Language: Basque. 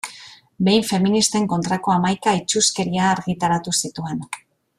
Behin feministen kontrako hamaika itsuskeria argitaratu zituen.